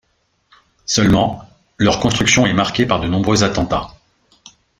Seulement leur construction est marquée par de nombreux attentats...